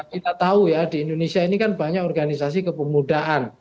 kita tahu ya di indonesia ini kan banyak organisasi kepemudaan